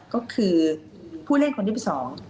ก็คือผู้เล่นคนที่ไปสอง